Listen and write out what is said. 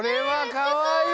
かわいい！